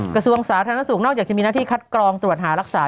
กระทรวงสาธารณสุขนอกจากจะมีหน้าที่คัดกรองตรวจหารักษา